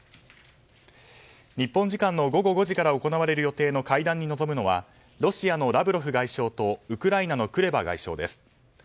日本時間の午後５時から行われる予定の会談に臨むのはロシアのラブロフ外相とウクライナのクレバ外相です。